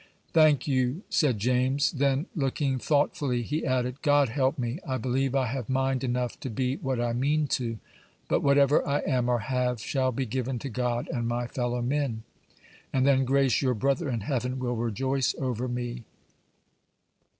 "Thank you," said James; then, looking thoughtfully, he added, "God help me. I believe I have mind enough to be what I mean to; but whatever I am or have shall be given to God and my fellow men; and then, Grace, your brother in heaven will rejoice over me."